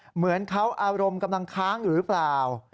เหมือนเขาอารมณ์กำลังค้างอยู่หรือเปล่า